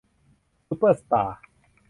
ซุปเปอร์สตาร์